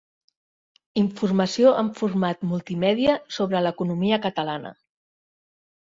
Informació en format multimèdia sobre l'economia catalana.